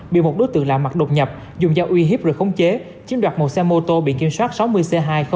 bị một đối tượng lạ mặt đột nhập dùng giao uy hiếp rồi không chế chiếm đoạt một xe mô tô bị kiểm soát sáu mươi c hai trăm linh một nghìn sáu trăm ba mươi ba